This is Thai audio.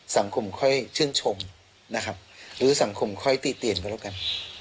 สังคมค่อยชื่นชมนะครับหรือสังคมค่อยตีเตียนก็แล้วกัน